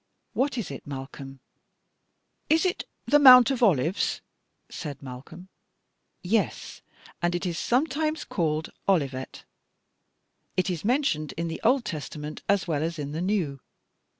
What is it, Malcolm?" "Is it 'the Mount of Olives'?" said Malcolm. "Yes, and it is sometimes called 'Olivet.' It is mentioned in the Old Testament as well as in the New.